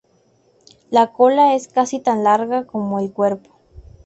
La cola es casi tan larga como el cuerpo.